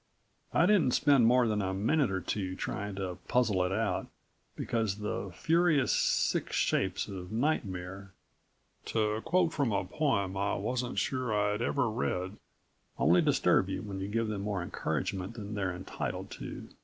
I didn't spend more than a minute or two trying to puzzle it out, because the "furious sick shapes of nightmare," to quote from a poem I wasn't sure I'd ever read, only disturb you when you give them more encouragement than they're entitled to.